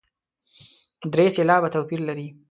درې سېلابه توپیر لري.